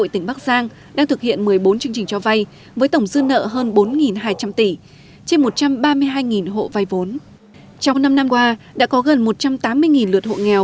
trong năm năm qua đã có gần một trăm tám mươi lượt hộ nghèo